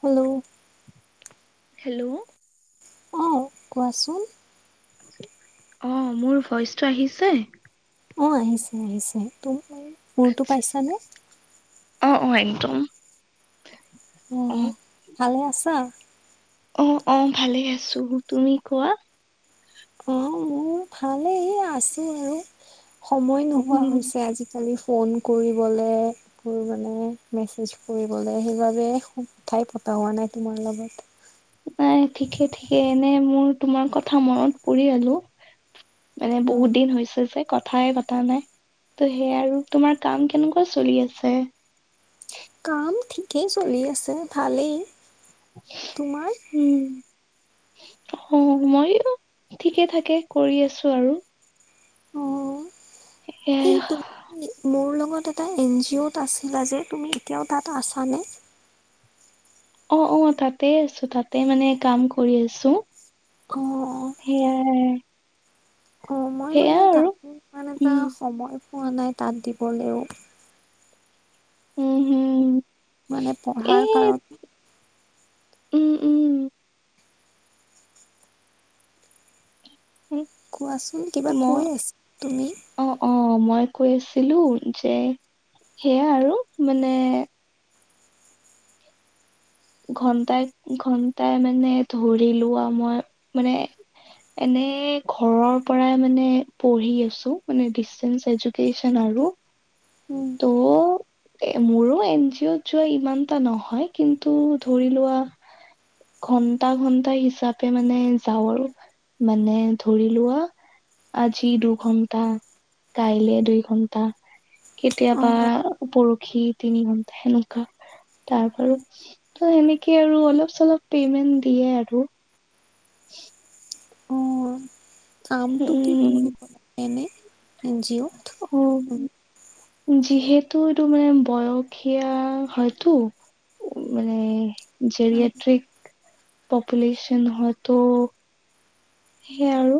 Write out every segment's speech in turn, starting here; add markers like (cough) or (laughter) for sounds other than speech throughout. Hello. Hello. অঁ কোৱাচোন অ মোৰ ভইচটো আহিছে অ আহিছে আহিছে তু মোৰতো পাইছানে আহ অ একদম অ ভালে আছা অ অ ভালে আছো তুমি কোৱা। অ মোৰ ভালেই আছো আৰু। সময় নোহোৱা উম হৈছে আজিকালি। ফোন কৰিবলৈৰ মানে মেছেজ কৰিবলৈ সেইবাবে কথাই প। ভবা নাই তোমাৰ লগত। নাই ঠিকে ঠিকে এনে মোৰ তোমাৰ কথা মনত পৰি আলো। মানে উম বহুত দিন হৈছে যে। কথাই পতা নাই ত' সেয় আৰু তোমাৰ কাম কেনেকুৱা চলি আছে। কাম ঠিকেই চলি আছে ভালেই তোমাৰ। উম অ মই ঠিকে থাকে কৰি আছো আৰু। অ। এয়াই। তত এটা এন জি অ'ত আছিলা যে তুমি এতিয়াও তাত আছানে? অ অ তাতে আছো তাতে মানে কাম কৰি আছো। অহ। এয়া হে। অ মই মানে তাতো ইমান এটা উম সময় পোৱা নাই তাত দিবলৈও। উম হম। মানে পঢ়াৰ এই কাৰণ। উম উম। কোৱাচোন কিবা মই কৈ আছ তুমি? অ অ মই কৈছিলো যে সেয়া আৰু মানে ঘন্টাই ঘন্টাই মানে ধৰিলো আৰু মই মানে এনে ঘৰৰ পৰাই মানে পঢ়ি আছো মানে ডে এজকেচন আৰু উম ত' এ মোৰো এন জি অ'ত যোৱা ইমান এটা নহয় কিন্তু ধৰি লোৱা ঘন্টা ঘন্টা হিচাপে মানে যাওঁ আৰু মানে ধৰি লোৱা আজি দুঘণ্টা কাইলে দুই ঘণ্টা কেতিয়াবা অ', পৰশি তিনিম সেনেকুৱা তাৰপাৰ ত সেনেকে আৰু অলপ চলপ পেমেন্ট দিয়ে আৰু (inaudible) অ', কামটো কি উম কৰিব লাগে এনে এন জি অ' উম যিহেতু এইটো মানে বয়সীয়া হয়তো মানে অ', জৰিয়েট্ৰিক পপুল্যচন হয়তো সেয়াই আৰু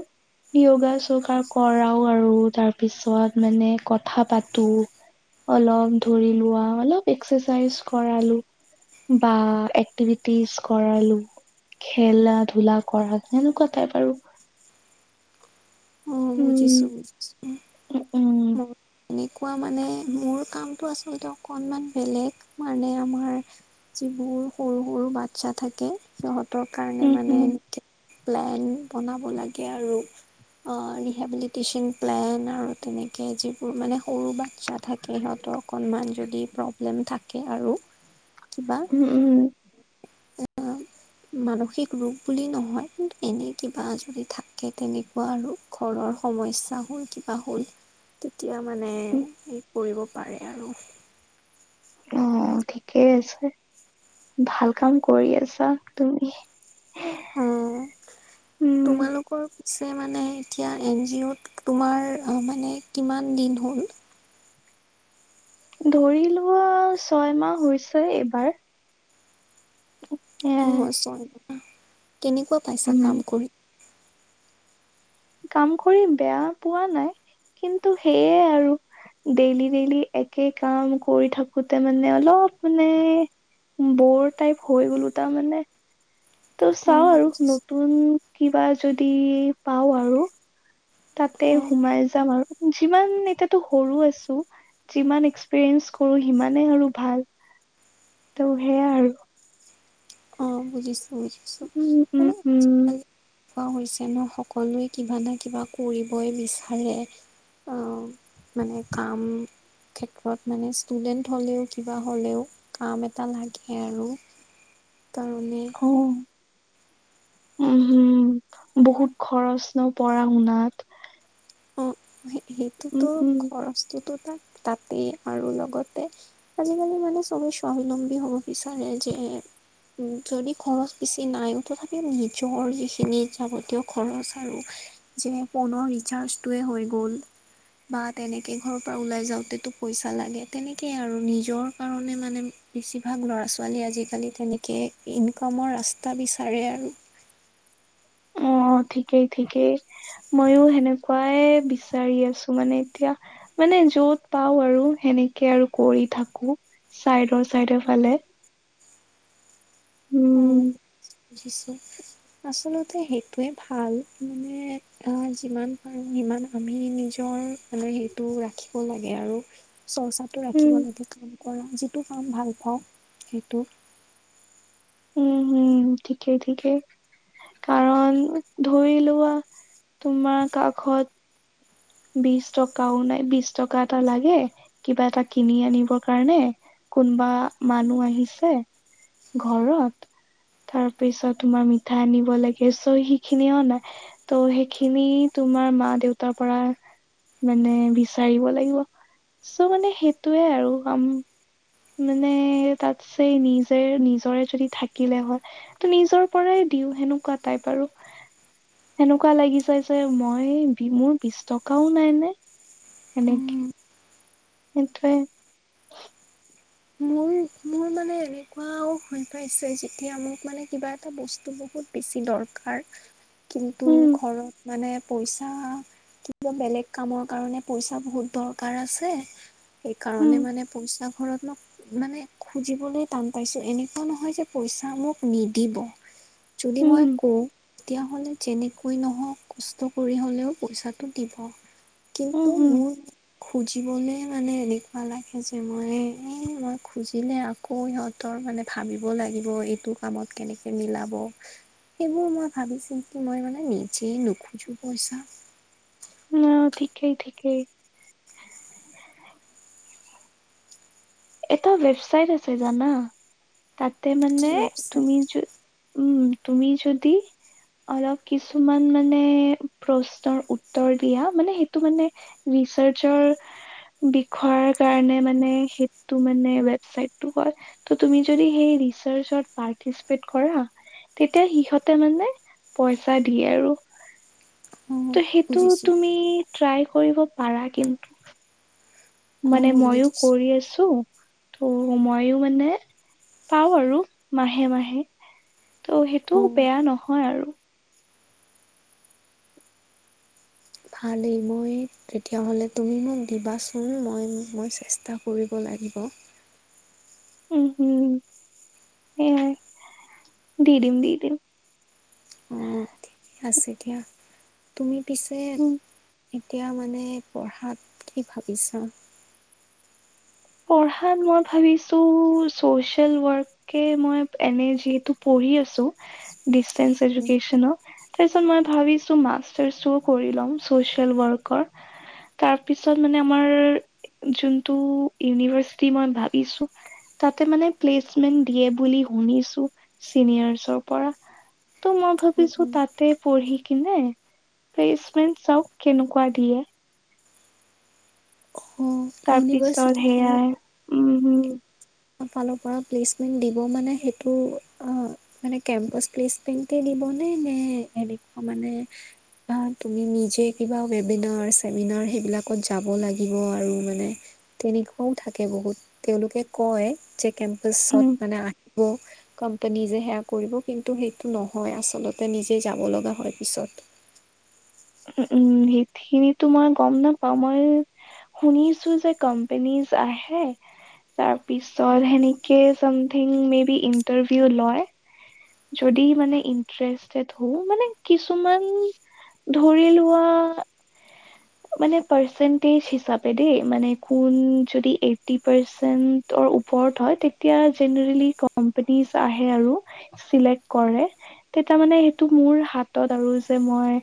যোগা চোগ কৰাও আৰু তাৰপিছত মানে কথা পাতো অলপ ধৰি লোৱা অলপ এক্সাৰচাইজ কৰালো। বা এক্টিভিটিজ কৰালো খেলা ধূলা কৰা এনেকুৱা তাত আৰু হ উম বুজিচো উম উম। কোৱা মানে মোৰ কামটো আচলতে অকণমান বেলেগ মানে আমাৰ যিবোৰ সৰু সৰু বাচ্ছা থাকে সিহঁত কাৰণে উম মানে উম প্লেন বনাব লাগে আৰু হেবিলিটিচন প্লেন আৰু তেনেকৈ যিবোৰ মানে সৰু বা ইচ্ছা থাকে সিহঁতৰ অকণমান যদি প্ৰব্লেম থাকে। আৰু কিবা উম উম। (inaudible) মানসিক ৰোগ বুলি নহয় কিন্তু এনেই কিবা আজৰি থাকে। তেনেকুৱা আৰু ঘৰৰ সমস্যা হ'ল কিবা হ'ল তেতিয়া মানে উম স কৰিব পাৰে। আৰু অ ঠিকেই আছে ভাল কাম কৰি আছা। তুমি অ উম তোমালোকৰ ছে মানে এতিয়া এন জি অ'ত তোমাৰ মানে কিমান দিন হ'ল- ধৰি লোৱা ছয়মাহ হৈছে। এইবাৰ এয়াই আহ ছয়। টকা কেনেকুৱা পাইছা উম কাম কৰি কাম কৰি বেয়া। পোৱা নাই কিন্তু সেয়ে আৰু ডেইলি ডেইলি একে কাম কৰি থাকোতে মানে অলপ মানে। বৰ টাইপ হৈ গ'লো তাৰ মানে। ত' চাও অ', আৰু বুজিছোঁ নতুন কিবা যদি পাওঁ আৰু তাতে অ', সোমাই যাম। আৰু যিমান এতিয়াতো সৰু আছো যিমান এক্সপিৰিয়েঞ্চ কৰো সিমানে আৰু ভাল ত' সেয়াই আৰু অ বুজিছো বুজিছো উম উম মানে। উম পোৱা হৈছে ন সকলোৱে কিবা নে কিবা কৰিবই বিচাৰে মানে কাম ক্ষেত্ৰত মানে ষ্টুডেন্ট হ'লেও কিবা হ'লেও কাম এটা লাগে আৰু (inaudible) তাৰ কাৰণে অ উম হম বহুত খৰচ ন পঢ়া শুনাত। অ', উম সেইটোতো উম খৰচটোতো তাত তাতেই আৰু লগতে আজিকালিৰ মানুহ চ অমি স্বাৱলম্বী হব বিচাৰে যে। যদি খৰচ বেছি নাই তথাপিও নিজৰ যিখিনি যাৱতীয় খৰচ আৰু যে ফোনৰ ৰিচাৰ্জটোৱে হৈ গ'ল। বা তেনেকে ঘৰৰ পৰা ওলাই যাওঁতেতো পইচা লাগে তেনেকেই আৰু নিজৰ কাৰণে মানে। বেছিভাগ ল'ৰা ছোৱালী আজিকালি তেনেকে ইনকামৰ ৰাস্তা বিচাৰে আৰু- অ অ ঠিকেই ঠিকেই মইও সেনেকুৱাই বিচাৰি আছো। মানে এতিয়া মানে য'ত পাও আৰু সেনেকে আৰু কৰি থাকো। চাইডৰ চাইডৰ ফালে- উম- পজিছো আচলতে সেইটোৱে ভাল মানে আহ যিমান পাৰো সিমান আমি নিজৰ- মানে সেইটো ৰাখিব লাগে আৰু চৰ্চাটো উম ৰাখিব লাগে কাৰণ কৰা যিটো কাম ভাল পাওঁ সেইটো উম হম ঠিকেই ঠিকেই কাৰণ ধৰি লোৱা তোমাৰ কাষত বিশ টকাও নাই বিশ টকা এটা লাগে কিবা এটা কিনি আনিবৰ কাৰণে। কোনোবা মানুহ আহিছে ঘৰত- তাৰ পিছত তোমাৰ মিঠা আনিব লাগে চ' সিখিনি অ নাই ত' সেইখিনি। তোমাৰ মা দেউতাৰ পৰা। মানে বিচাৰিব লাগিব চ' মানে সেইটোয়ে আৰু কাম- মানে তাতছে নিজে নিজৰে যদি থাকিলে হয় ত নিজৰ পৰাই- দিও সেনেকুৱা তাই বাৰু। সেনেকুৱা লাগি চাইছে মই মোৰ বিশ টকাও নাই নে। উম, এনেকি এইটোৱে। মোৰ মানে এনেকুৱাও হৈ পাইছে যেতিয়া মোক মানে কিবা এটা বস্তু বহুত বেছি দৰ দৰকাৰ কিন্তু উম ঘৰত মানে। পইচা কি ক বেলেগ কামৰ কাৰণে পইচা বহুত দৰকাৰ আছে। উম সেইকাৰণে মানে পইচা ঘৰত ন। মানে খুজিবলৈ টান পাইছো এনেকুৱা নহয় যে পইচা মোক নিদিব। যদি মই উম কওঁ। তেতিয়াহ'লে যেনেকৈ নহওক কষ্ট কৰি হ'লেও পইচাটো দিব। উম কিন্তু উম মোৰ খুজিবলৈ মানে এনেকুৱা লাগে যে মই এ। মই খুজিলে আকৌ সিহঁতৰ মানে ভাবিব লাগিব এইটো কামত কেনেকৈ মিলাব। সেইবোৰ মই ভাবি চিন্তি মই মানে নিজে নোখোজো পইচা। অ ঠিকেই ঠিকেই। এটা ৱেবছাইট আছে জানা। তাতে কি মানে ৱেবচাইট তুমি য উম তুমি যদি। অলপ কিছুমান মানে প্ৰশ্নৰ উত্তৰ দিয়া মানে সেইটো মানে। বিষয়ৰ কাৰণে মানে। টো মানে ৱেবচাইট হয় ত তুমি যদি সেই ৰিচাৰ্জত পৰ্তিচেপত কৰা। তেতিয়া সিহঁতে মানে পইচা দিয়ে আৰু। অ ত' সেইটো বুজিছো তুমি ট্ৰাই কৰিব পাৰা কিন্তু। অ মানে ময়ো বুজিছো কৰি আছো। ত' ময়ো মানে পাও আৰু মাহে মাহে। ত' সেইটো অ বেয়া নহয় আৰু। ভালেই মই তেতিয়া হ'লে তুমি মোক দিবাচোন মই মই চেষ্টা কৰিব লাগে লাগিব। উ (inaudible) উম উম উম। দি দিম দি দিম। অঁ ঠিকে আছে দিয়া তুমি পিছে। উম এতিয়া মানে পঢ়াত কি ভাবিছা? পঢ়াত মই ভাবিছো চচিয়েল ৱৰ্কে মই এনে যিহেতু কৰি আছো, ডিচটেন্স এডুকেশ্বন। তাৰপিছত মই ভাবিছো মাষ্টাৰ্চটোও কৰি লম চচিয়েল ৱৰ্কৰ। তাৰপিছত মানে আমাৰ যোনটো ইউনিভাৰ্ছটি মই ভাবিছো তাতে মানে প্লেচমেন্ দিয়ে বুলি শুনিছো। উনিয়াচৰ পৰা ত মই অঁ ভাবিছোঁ তাকে পঢ়ি কি নাই প্লেচমেণ্ট চাওক কেনেকুৱা দিয়ে। তাৰপিছত ইউনিভে্চিটি খন সেয়াই উম ফালৰ পৰা প্লেচমেন্ দিব মানে, সেইটো অ মানে কেম্পাচ প্লেচমেন্ট দিব। মানে নে এনেকুৱা মানে। আহ তুমি নিজে কিবা ৱেবিনাৰ চেমিনাৰ সেইবিলাকত যাব লাগিব আৰু মানে। তেনেকুৱাও থাকে বহুত তেওঁলোকে কয় যে। কেম্পাচত উম মানে আহিব কোম্পানী যে সেয়া কৰিব কিন্তু সেইটো নহয় আচলতে নিজে যাব লগা হয় পিছত। উ (inaudible) উম উম সেইখিনিতো মই গম নাপাওঁ মই শুনিছো যে কোম্পনী আহেই। তাৰ পিছত সেনেকে চামথিং মে বি ইন্টাৰভিউ লয়। যদি মানে ইণ্টাৰেষ্টেড হওঁ মানে কিছুমান ধৰি লোৱা মানে পাৰ্চেটেজ হিচাপে দেই মানে কোন যদি এইটি পাৰ্চেণ্টৰ ওপৰত বোৰ্ড হয় তেতিয়া জেনেৰেলি কম্পেনিছ আহে আৰু চিলেক্ট কৰে, তেটি মানে সেইটো মোৰ হাতত আৰু যে মই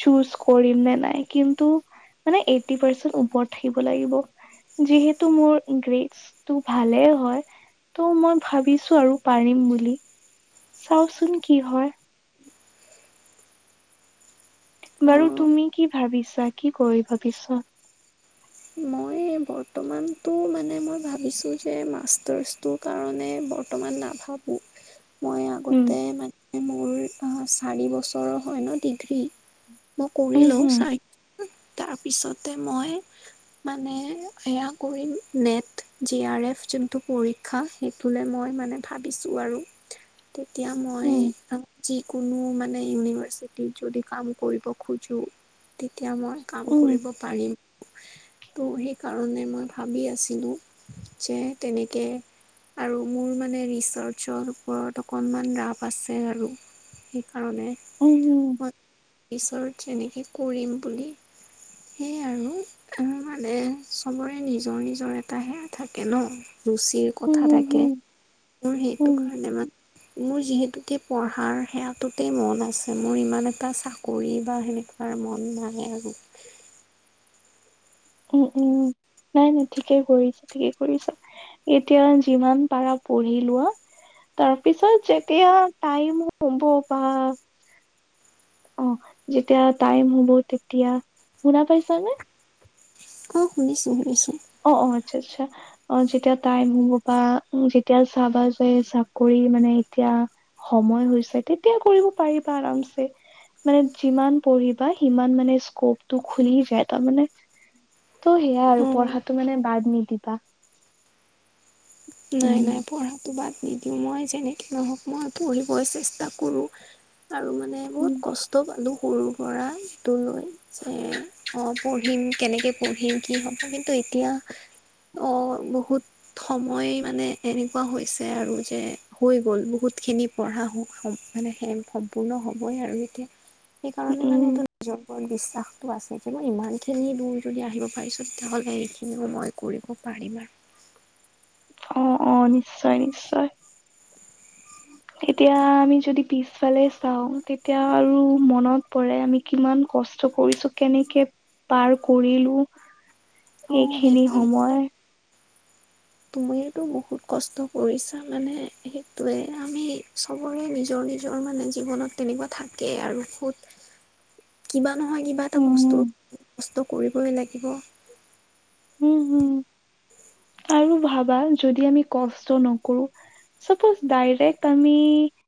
চুজ কৰিম নে নাই কিন্তু মানে এইটি পাৰ্চেন্ট ওপৰত থাকিব লাগিব। যিহেতু মোৰ গ্ৰেটটো ভালে হয় ত' মই ভাবিছো আৰু পাৰিম বুলি চাওচোন কি হয়। বাৰু তুমি কি ভাবিছা, কি কৰি ভাবিছ। এই বৰ্তমানটো মানে মই ভাবিছোঁ যে মাষ্টাৰছটোৰ কাৰণে বৰ্তমান ন থাকোঁ মই উম, আগতে মানে মোৰ চাৰি বছৰৰ হয় ন ডিগ্ৰী মই উম, কৰিলও হুম, চাই তাৰপিছতে মই মানে এয়া কৰি নেট জি আৰ এফ যোনটো পৰীক্ষা সেইটোলে মই মানে ভাবিছোঁ। আছোঁ আৰু উ (unintelligible) তেতিয়া মই। যিকোনো মানে ইউনিভাৰচিটত যদি কাম কৰিব খোজোঁ? তেতিয়া মই কাম উম, কৰিব পাৰিম ত' সেই কাৰণে মই ভাবি আছিলো যে তেনেকে আৰু মোৰ মানে ৰিচাৰ্চৰ ওপৰত অকণমান ৰাপ আছে আৰু। কাৰণে, উম, উম, মই ৰিচাৰ্জ সেনেকে কৰিম বুলি সেয়াই আৰু মানে চবৰে নিজৰ নিজৰ এটা সেইয়া থাকে ন। ৰুচিৰ হুম, উম, কথা হুম, থাকে হুম, মোৰ সেইটো উম, কাৰণে মান মোৰ যিহেতুকে পঢ়াৰ সেয়াটোতে মন আছে মোৰ ইমান এটা চাকৰি বা সেনে এইবাৰ মন নাই আৰু (unintelligible) উম, উম। নাই নাই ঠিকেই কৰিছ, ঠিকেই কৰিছা। এতিয়া যিমান পাৰা পঢ়ি লোৱা তাৰপিছত যেতিয়া টাইম হব বা অ যেতিয়া টাইম হব তেতিয়া, শুনা পাইছানে? অ শুনিছো শুনিছো? অ, অ, আচ্ছা আচ্ছা। অ যেতিয়া টাইম হ'ব বা যেতিয়া চাবা যে চাকৰি মানে এতিয়া। সময় হৈছে তেতিয়া কৰিব পাৰিবা আৰামছে। মানে যিমান পঢ়িবা সিমান মানে স্কপটো খুলি যায় তাৰমানে। ত' সেয়াই আৰু উম পঢ়াটো মানে বাদ নিদিবা। নাই উম নাই পঢ়াটো বাদ নিদিওঁ মই যেনেকে নহওক মই পঢ়িবই চেষ্টা কৰো। আৰু মানে উম বহুত কষ্ট পালো। সৰুৰ পৰাটো লৈ যে অঁ পঢ়িম কেনেকৈ পঢ়িম কি হ'ব কিন্তু এতিয়া অ, বহুত সময় মানে এনেকুৱা হৈছে আৰু যে হৈ গ'ল বহুতখিনি পঢ়া শুনা মানে (unintelligible) সম্পূৰ্ণ হবই আৰু এতিয়া, সেইকাৰণে মানে উম এইটো নিজৰ ওপৰত বিশ্বাসটো আছে যে মই ইমানখিনি দূৰ যদি আহিব পাৰিছোঁ তেতিয়াহ'লে এইখিনিও মই কৰিব পাৰোঁ পাৰিবা। অ, অ নিশ্চয় নিশ্চয়। তেট। তেতিয়া আমি যদি পিছফালে চাওঁ তেতিয়া আৰু মনত পৰে আমি কিমান কষ্ট কৰিছো কেনেকে পাৰ কৰিলো অ' সেইখিনি সময় তুমিটো বহুত কষ্ট কৰিছা মানে সেইটোৱে আমি চবৰে নিজৰ নিজৰ মানে জীৱনত তেনেকুৱা থাকে আৰু কত কিবা নহয় কিবা এটা উম বস্তু কষ্ট কৰিবই লাগিব। উম হম। আৰু ভাবা যদি আমি কষ্ট নকৰো চাপ'জ ডাইৰেক্ট আমি